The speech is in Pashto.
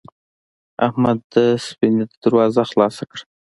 احمد د سفینې دروازه خلاصه کړه.